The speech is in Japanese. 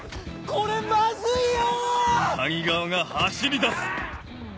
これまずいよ！